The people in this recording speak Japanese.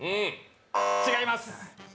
違います。